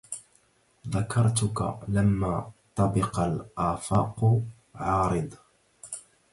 ذكرتك لما طبق الأفق عارض